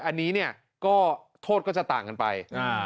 อันนี้เนี่ยก็โทษก็จะต่างกันไป